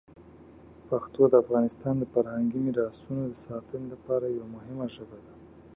پښتو د افغانستان د فرهنګي میراتونو د ساتنې لپاره یوه مهمه ژبه ده.